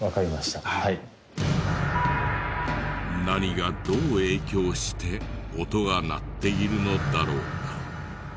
何がどう影響して音が鳴っているのだろうか？